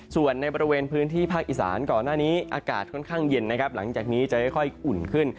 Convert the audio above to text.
ส่วนในบริเวณพื้นที่ภาคอีสานก่อนหน้านี้อากาศค่อนข้างเย็นนะครับหลังจากนี้จะค่อยอุ่นขึ้น